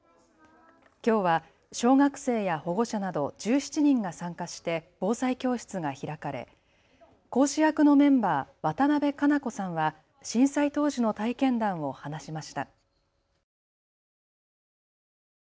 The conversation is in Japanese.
きょうは小学生や保護者など１７人が参加して防災教室が開かれ講師役のメンバー、渡辺和夏子さんは震災当時の体験談を話しました。